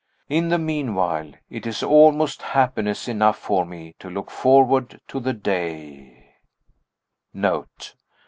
In the meanwhile, it is almost happiness enough for me to look forward to the day NOTE.